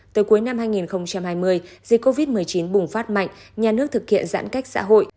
từ cuối năm hai nghìn hai mươi dịch covid một mươi chín bùng phát mạnh nhà nước thực hiện giãn cách xã hội